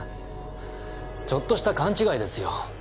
ちょっとした勘違いですよ。